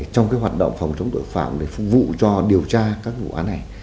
trong hoạt động phòng chống tội phạm để phục vụ cho điều tra các vụ án này